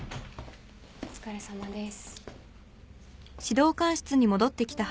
お疲れさまです。